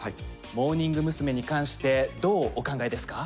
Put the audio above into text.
モーニング娘。に関してどうお考えですか？